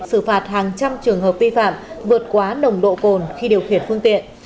xử phạt hàng trăm trường hợp vi phạm vượt quá nồng độ cồn khi điều khiển phương tiện